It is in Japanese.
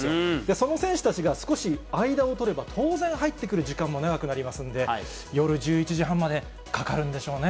その選手たちが、少し間を取れば、当然、入ってくる時間も長くなりますので、夜１１時半までかかるんでしょうね。